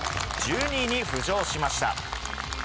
１２位に浮上しました。